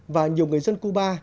và nhiều người dân cuba